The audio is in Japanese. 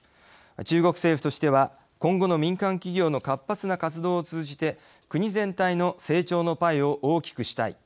中国政府としては今後の民間企業の活発な活動を通じて国全体の成長のパイを大きくしたい。